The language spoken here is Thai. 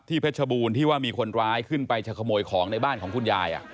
เพชรบูรณ์ที่ว่ามีคนร้ายขึ้นไปจะขโมยของในบ้านของคุณยาย